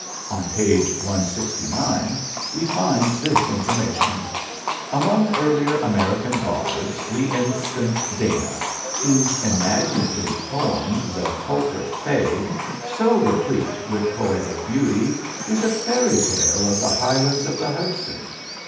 On page 169 we find this information: "Among earlier American bards we instance Dana, whose imaginative poem 'The Culprit Fay,' so replete with poetic beauty, is a fairy tale of the highlands of the Hudson.